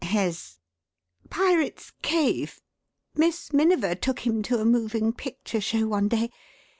"His " "Pirates' cave. Miss Miniver took him to a moving picture show one day.